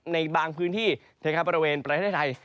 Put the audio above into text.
ในบางพื้นที่ภาระวินประเทศไทย